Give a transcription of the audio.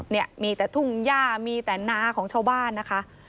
เนี่ยมีแต่ทุ่งย่ามีแต่นาของชาวบ้านนะคะ